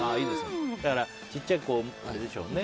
だから小さい子のあれでしょうね。